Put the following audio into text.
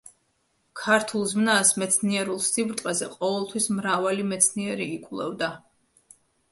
ქართულ ზმნას მეცნიერულ სიბრტყეზე ყოველთვის მრავალი მეცნიერი იკვლევდა.